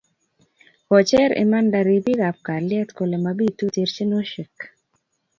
Koicher imada ripik ab kalyet kole mabitu terchinoshek